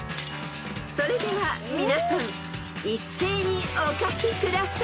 ［それでは皆さん一斉にお書きください］